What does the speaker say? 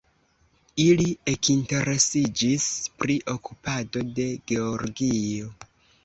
Ili ekinteresiĝis pri okupado de Georgio.